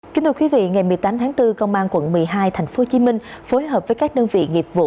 kính thưa quý vị ngày một mươi tám tháng bốn công an quận một mươi hai tp hcm phối hợp với các đơn vị nghiệp vụ